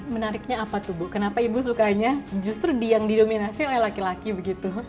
menariknya apa tuh bu kenapa ibu sukanya justru yang didominasi oleh laki laki begitu